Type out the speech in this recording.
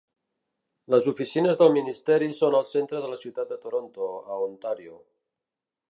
Les oficines del ministeri són al centre de la ciutat de Toronto, a Ontario.